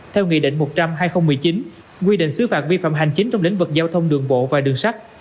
theo nghị định một trăm linh hai nghìn một mươi chín quy định xứ phạt vi phạm hành chính trong lĩnh vực giao thông đường bộ và đường sắt